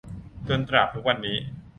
จนตราบทุกวันนี้